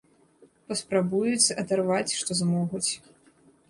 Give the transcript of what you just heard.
Паспрабуюць адарваць, што змогуць.